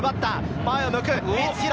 前を向く。